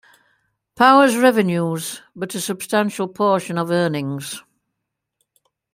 Power's revenues, but a substantial portion of earnings.